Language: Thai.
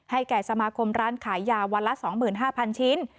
ให้แก่สมาคมร้านขายยาวันละสองหมื่นห้าพันชิ้น